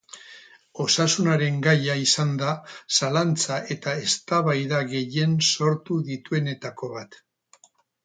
Osasunaren gaia izan da zalantza eta eztabaida gehien sortu dituenetako bat.